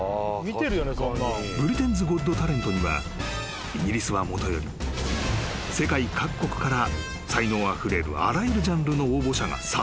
［『ブリテンズ・ゴット・タレント』にはイギリスはもとより世界各国から才能あふれるあらゆるジャンルの応募者が殺到する］